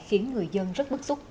khiến người dân rất khó khăn